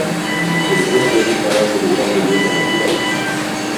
Se encuentra en un paraje de gran belleza natural.